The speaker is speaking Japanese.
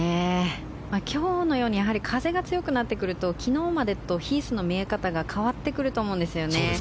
今日のように風が強くなってくると昨日までとヒースの見え方が変わってくると思うんですよね。